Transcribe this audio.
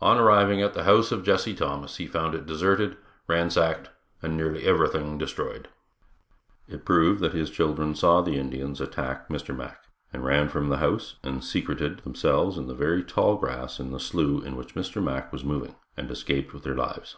On arriving at the house of Jesse Thomas he found it deserted, ransacked and nearly everything destroyed. It proved that his children saw the Indians attack Mr. Mack, and ran from the house and secreted themselves in the very tall grass of the slough in which Mr. Mack was mowing, and escaped with their lives.